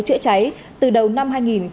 trễ cháy từ đầu năm hai nghìn hai mươi ba